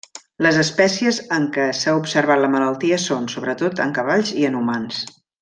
Les espècies en què s'ha observat la malaltia són, sobretot, en cavalls i en humans.